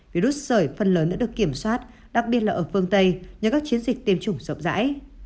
virus sởi phần lớn đã được kiểm soát đặc biệt là ở phương tây nhờ các chiến dịch tiêm chủng rộng rãi